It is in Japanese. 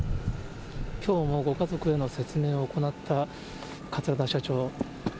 きょうもご家族への説明を行った桂田社長。